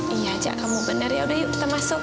iya cak kamu bener yaudah yuk kita masuk